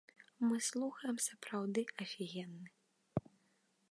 Мы слухаем, сапраўды афігенны.